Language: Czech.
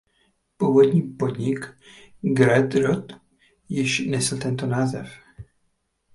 Původní podnik Georg Roth již nesl tento název.